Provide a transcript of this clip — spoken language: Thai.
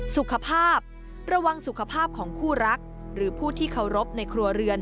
สุขภาพระวังสุขภาพของคู่รักหรือผู้ที่เคารพในครัวเรือน